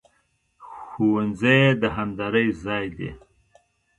ښوونځی د همدرۍ ځای دی